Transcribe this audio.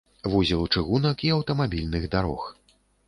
Вузел чыгунак і аўтамабільных дарог.